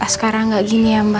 sekarang nggak gini ya mbak